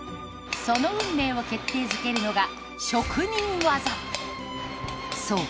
その運命を決定づけるのがそう